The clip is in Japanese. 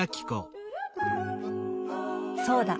そうだ！